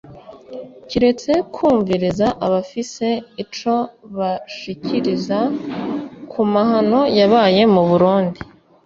Kiretse kwumviriza abafise ico bashikiriza ku mahano yabaye mu Burundi